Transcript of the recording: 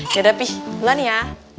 ya tapi bulan ya